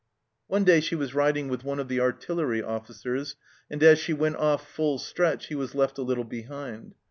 One day she was riding with one of the artillery officers, and as she went off full stretch he was left a little behind.